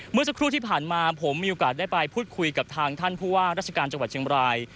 เมื่อสักครู่ที่ผ่านมาผมมีโอกาสได้ไปพูดคุยกับทางท่านผู้ว่าราชการจังหวัดเชียงบราย